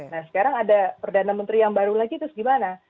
nah sekarang ada perdana menteri yang baru lagi terus gimana